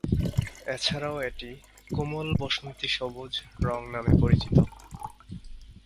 এছাড়াও এটি "কোমল বাসন্তী সবুজ" রঙ নামেও পরিচিত।